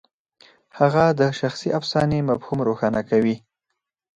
هغه د شخصي افسانې مفهوم روښانه کوي.